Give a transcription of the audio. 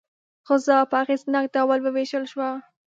غذا په اغېزناک ډول وویشل شوه.